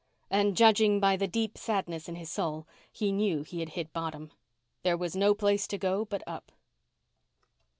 And judging by the deep sadness in his soul, he knew he had hit bottom. There was no place to go but up.